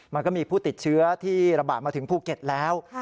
มันก็มีผู้ติดเชื้อที่ระบาดมาถึงภูเก็ตแล้ว